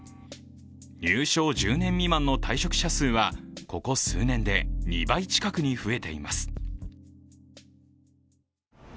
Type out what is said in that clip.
入省１０年未満の退職者数はここ数年で２倍近くに増えています。